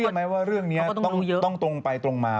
แต่เชื่อไหมว่าเรื่องนี้ต้องตรงไปตรงมา